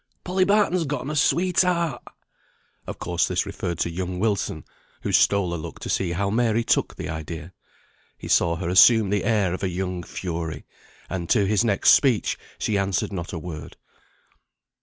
Polly Barton's gotten a sweetheart." Of course this referred to young Wilson, who stole a look to see how Mary took the idea. He saw her assume the air of a young fury, and to his next speech she answered not a word.